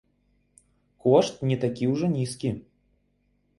Кошт не такі ўжо нізкі.